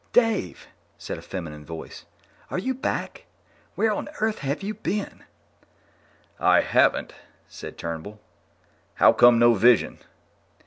"Dave!" said a feminine voice. "Are you back? Where on Earth have you been?" "I haven't," said Turnbull. "How come no vision?"